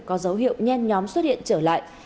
có dấu hiệu nhen nhóm xuất hiện trở lại